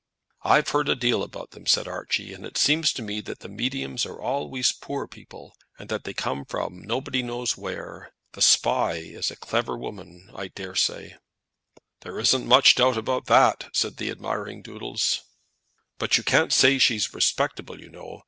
"I've heard a deal about them," said Archie, "and it seems to me that the mediums are always poor people, and that they come from nobody knows where. The Spy is a clever woman I daresay " "There isn't much doubt about that," said the admiring Doodles. "But you can't say she's respectable, you know.